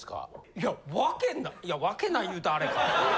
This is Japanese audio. いやわけないいやわけない言うたらアレか。